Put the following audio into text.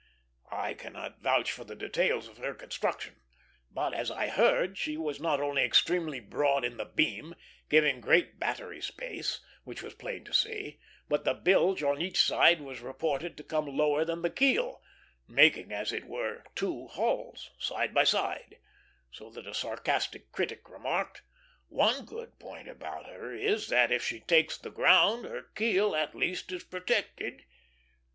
I cannot vouch for the details of her construction; but, as I heard, she was not only extremely broad in the beam, giving great battery space, which was plain to see, but the bilge on each side was reported to come lower than the keel, making, as it were, two hulls, side by side, so that a sarcastic critic remarked, "One good point about her is, that if she takes the ground, her keel at least is protected."